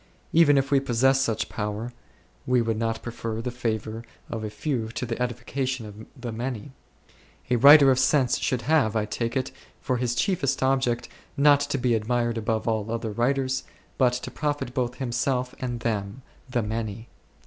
Even if we possessed such power, we would not prefer the favour of the few to the edification of the many. A writer of sense should have, I take it, for his chiefest object not to be ad mired above all other writers, but to profit both himself and them, the many.